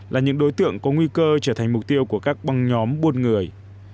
là những đối tượng có nguy cơ trở thành mục tiêu của các băng nhóm buôn người